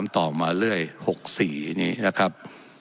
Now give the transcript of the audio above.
ต่อมาเรื่อย๖๔นี้นะครับ